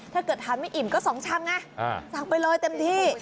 ถ้าเกิดทานไม่อิ่มก็๒ชามไงสั่งไปเลยเต็มที่